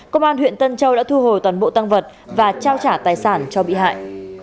công an huyện tân châu đã thu hồi toàn bộ tăng vật và trao trả tài sản cho bị hại